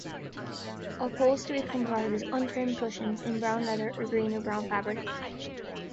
Upholstery comprises unframed cushions in brown leather, or green or brown fabric.